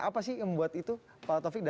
apa sih yang membuat itu pak taufik